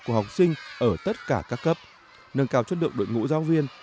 của học sinh ở tất cả các cấp nâng cao chất lượng đội ngũ giáo viên